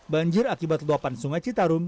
banjir akibat luapan sungai citarum